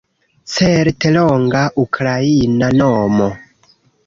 Certe longa Ukraina nomo